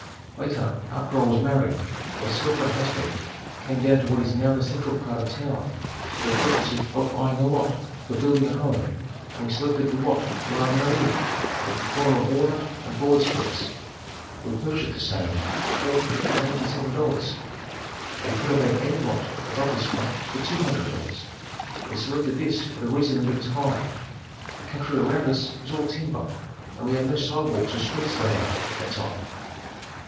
Later, after I was married, myself and husband came down to what is now the central part of town for the purpose of buying a lot for building a home, and we selected the lot where I now live, at the corner of Walnut and Broad streets. We purchased the same for $487. We could have had any lot above this one for $200, but selected this for the reason that it was high. The country around us was all timber and we had no sidewalks or streets laid out at that time.